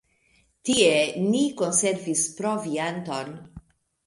Tie ni konservis provianton.